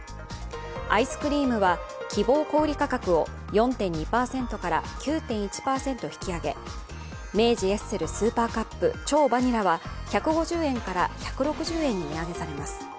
アイスクリームは希望小売価格を４．２％から９．１％引き上げ明治エッセルスーパーカップ超バニラは１５０円から１６０円に値上げされます。